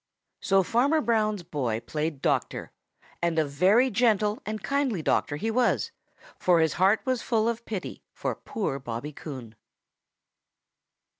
So Farmer Brown's boy played doctor, and a very gentle and kindly doctor he was, for his heart was full of pity for poor Bobby Coon.